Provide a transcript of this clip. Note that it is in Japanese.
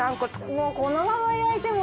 もうこのまま焼いても。